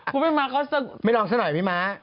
คุณแม่ม้าเค้าเมลอาสาหน่อยพี่ม้า